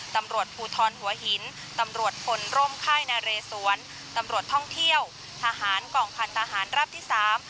ตำรวจภูทรหัวหินตำรวจพลร่มค่ายนาเรสวนตำรวจท่องเที่ยวทหารกองพันธหารราบที่สาม